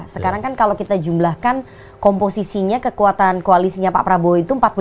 sekarang kan kalau kita jumlahkan komposisinya kekuatan koalisinya pak prabowo itu empat puluh lima